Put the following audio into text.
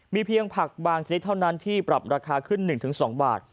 เพียงผักบางชนิดเท่านั้นที่ปรับราคาขึ้น๑๒บาท